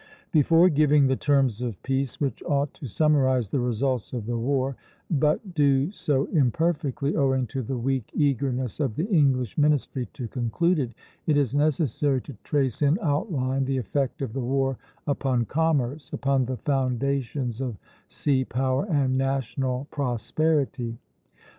Before giving the terms of peace which ought to summarize the results of the war, but do so imperfectly, owing to the weak eagerness of the English ministry to conclude it, it is necessary to trace in outline the effect of the war upon commerce, upon the foundations of sea power and national prosperity.